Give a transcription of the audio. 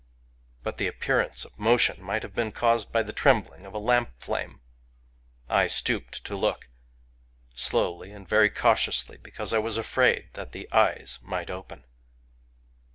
But the appearance of motion might have been caused by the trembling of a lamp flame. I stooped to look — slowly, and very cautiously, because I was afraid that the eyes might open.